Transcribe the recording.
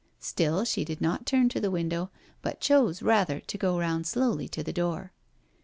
Still she did not turn to the window, but chose rather to go round slowly to the door.